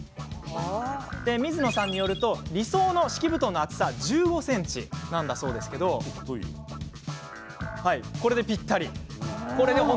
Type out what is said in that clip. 水野さんによると理想の敷布団の厚さは１５ｃｍなんだそうですがこれで、ぴったりです。